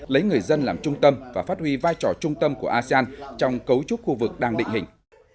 lấy người dân làm trung tâm và phát huy vai trò trung tâm của asean trong cấu trúc khu vực đang định hình